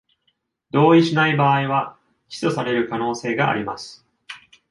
同意しない場合は起訴される可能性があります。